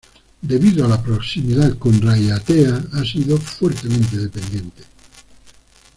Debido a la proximidad con Raiatea, ha sido fuertemente dependiente.